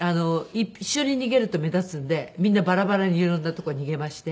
一緒に逃げると目立つんでみんなバラバラに色んな所に逃げまして。